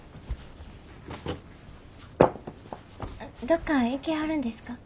どっか行きはるんですか？